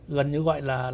gần như gọi là